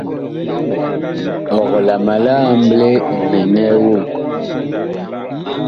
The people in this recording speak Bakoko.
Ɔg la ma li amble nɛŋɛɛ voŋ ?